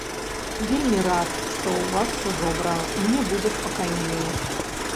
Вельмі рад, што ў вас усё добра, мне будзе спакайней.